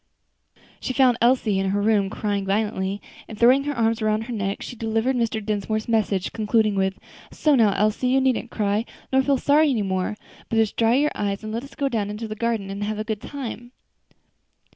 She found Elsie in her room crying violently, and throwing her arms around her neck she delivered Mr. Dinsmore's message, concluding with, "So now, Elsie, you see you needn't cry, nor feel sorry any more; but just dry your eyes and let us go down into the garden and have a good time."